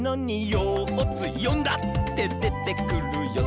「よっつよんだってでてくるよ」